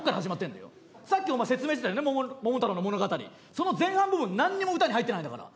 その前半部分何にも歌に入ってないんだから。